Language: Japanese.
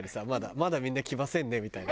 「まだみんな来ませんね」みたいな。